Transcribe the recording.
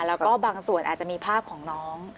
แล้วก็บางส่วนอาจจะมีภาพของน้อง